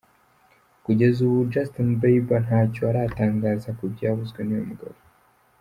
Kugeza ubu Justin Bieber ntacyo aratangaza ku byavuzwe n’uyu mugabo.